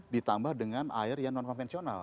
ditambah dengan air yang non konvensional